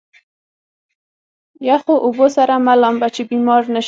يخو اوبو سره مه لامبه چې بيمار نه شې.